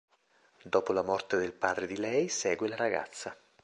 Dopo la morte del padre di lei, segue la ragazza.